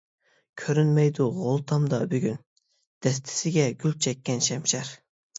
كۆرۈنمەيدۇ غول تامدا بۈگۈن، دەستىسىگە گۈل چەككەن شەمشەر.